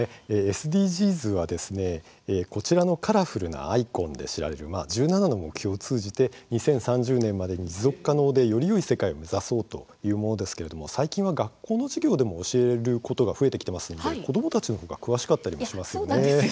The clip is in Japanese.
ＳＤＧｓは、こちらのカラフルなアイコンで知られる１７の目標を通じて２０３０年までに持続可能でよりよい世界を目指そうというものですが最近の学校の授業でも教えることが増えてきていますので子どもたちの方が詳しかったりします。